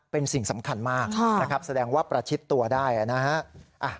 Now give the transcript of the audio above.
เป็นสิ่งสำคัญมากนะครับแสดงว่าประชิดตัวได้นะฮะ